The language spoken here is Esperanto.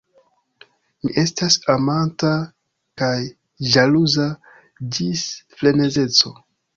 Mi estas amanta kaj ĵaluza ĝis frenezeco.